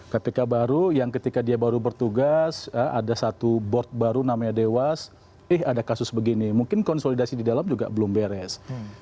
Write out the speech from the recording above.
kpk baru yang ketika dia baru bertugas ada satu board baru namanya dewas eh ada kasus begini mungkin konsolidasi di dalam juga belum beres